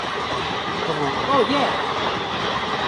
Como "Oh Yeah!